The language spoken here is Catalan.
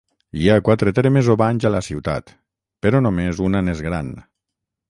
Hi ha quatre termes o banys a la ciutat, però només una n'és gran.